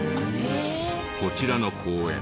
こちらの公園